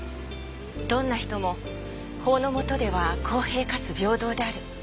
どんな人も法の下では公平かつ平等である。